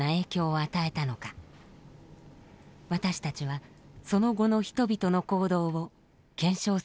私たちはその後の人々の行動を検証することにしました。